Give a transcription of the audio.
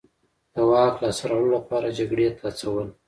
د واک لاسته راوړلو لپاره جګړې ته هڅول.